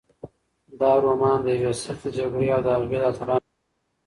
دا رومان د یوې سختې جګړې او د هغې د اتلانو کیسه ده.